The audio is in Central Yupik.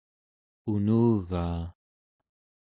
unugaa